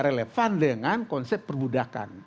relevan dengan konsep perbuddhakan